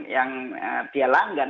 yang dia langgan